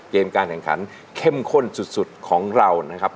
การแข่งขันเข้มข้นสุดของเรานะครับ